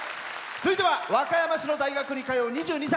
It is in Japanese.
続いては和歌山市の大学に通う２２歳。